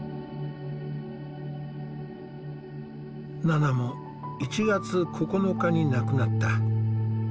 ナナも１月９日に亡くなった。